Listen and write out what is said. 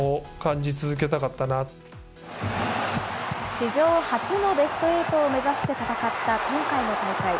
史上初のベスト８を目指して戦った今回の大会。